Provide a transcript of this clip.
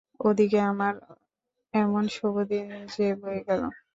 ও দিকে আমার এমন শুভদিন যে বয়ে গেল।